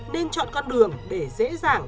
nên chọn con đường để dễ dàng